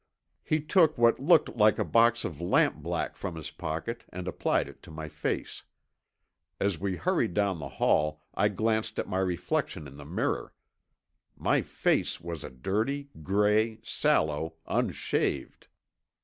He took what looked like a box of lampblack from his pocket and applied it to my face. As we hurried down the hall I glanced at my reflection in the mirror. My face was a dirty gray, sallow, unshaved.